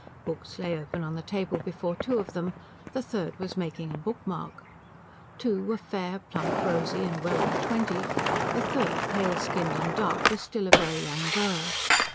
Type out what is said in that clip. Books lay open on the table before two of them; the third was making a bookmark. Two were fair, plump, rosy, and well over twenty; the third, pale skinned and dark, was still a very young girl.